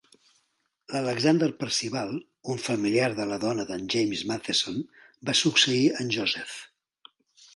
L"Alexander Percival, un familiar de la dona d"en James Matheson, va succeir en Joseph.